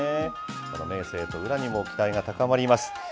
この明生と宇良にも期待が高まります。